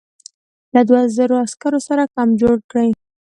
له دوو زرو عسکرو سره کمپ جوړ کړی.